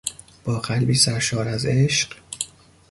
با قلبی سرشار از عشق